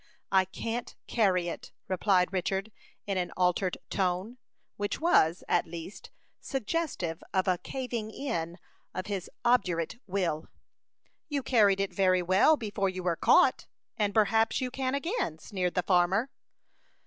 "I can't carry it," replied Richard, in an altered tone, which was, at least, suggestive of a "caving in" of his obdurate will. "You carried it very well before you were caught, and perhaps you can again," sneered the farmer.